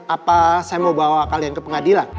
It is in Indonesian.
apa saya mau bawa kalian ke pengadilan